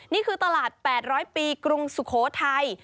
นี่คือตลาด๘๐๐ปีกรุงสุโขทัย